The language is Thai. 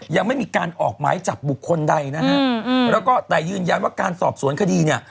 ยังไม่มีการออกหมายจับบุคคลใดนะฮะแล้วก็แต่ยืนยันว่าการสอบสวนคดีเนี่ย